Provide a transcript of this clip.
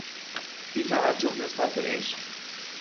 بیتوجه نسبت به عشق